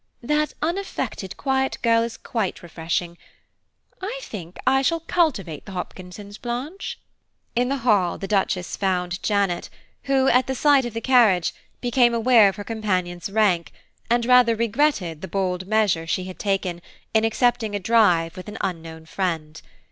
That unaffected quiet girl is quite refreshing. I think I shall cultivate the Hopkinsons, Blanche." In the hall, the Duchess found Janet, who, at the sight of the carriage, became aware of her companion's rank, and rather regretted the bold measure she had taken, in accepting a drive with an unknown friend.